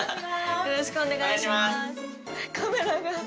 よろしくお願いします。